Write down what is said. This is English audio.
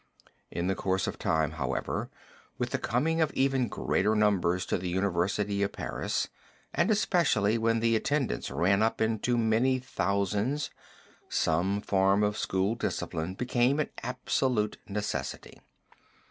In the course of time, however, with the coming of even greater numbers to the University of Paris, and especially when the attendance ran up into many thousands, some form of school discipline became an absolute necessity.